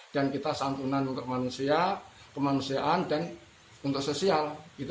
kita santunan untuk manusia kemanusiaan dan untuk sosial